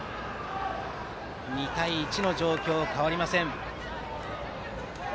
２対１の状況は変わりません。